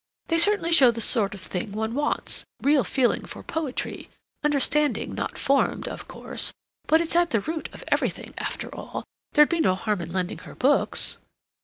—they certainly show the sort of thing one wants: real feeling for poetry, understanding, not formed, of course, but it's at the root of everything after all. There'd be no harm in lending her books?"